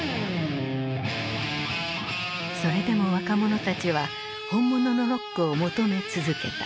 それでも若者たちは本物のロックを求め続けた。